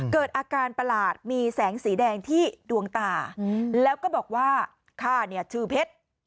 เกิดอาการประหลาดมีแสงสีแดงที่ดวงตาแล้วก็บอกว่าข้าเนี่ยชื่อเพชร